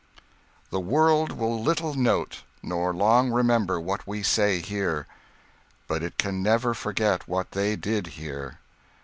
The world will little note, nor long remember, what we say here, but it can never forget what they did here.